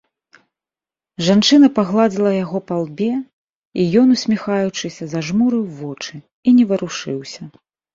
Жанчына пагладзіла яго па лбе, і ён, усміхаючыся, зажмурыў вочы і не варушыўся.